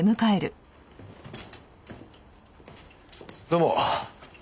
どうも。